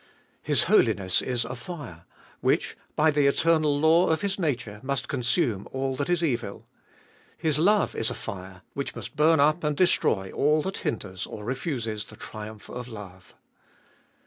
His holiness is a fire, which, by the eternal law of His nature, must consume all that is evil. His love is a fire, which must burn up and destroy all that hinders or refuses the triumph of love.